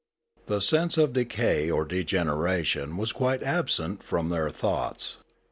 The sense of decay or degeneration was quite absent from their thoughts.